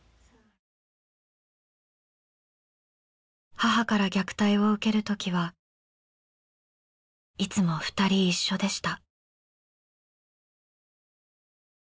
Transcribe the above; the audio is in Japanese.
母から虐待を受けるときはいつも２人一緒でした。